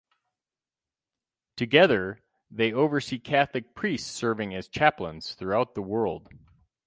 Together, they oversee Catholic priests serving as chaplains throughout the world.